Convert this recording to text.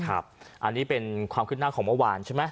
อันนี้เป็นความคืบหน้าของเมื่อวานใช่ไหม